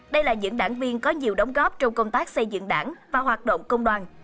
đây là những đảng viên có nhiều đóng góp trong công tác xây dựng đảng và hoạt động công đoàn